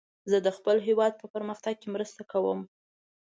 زه د خپل هیواد په پرمختګ کې مرسته کوم.